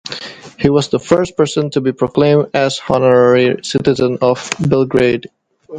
He was the first person to be proclaimed as honorary citizen of Belgrade.